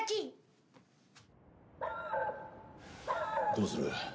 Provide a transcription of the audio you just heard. どうする？